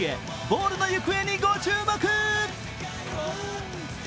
ボールの行方にご注目。